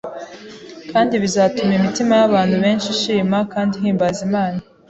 kandi bizatuma imitima y’abantu benshi ishima kandi ihimbaza Imana.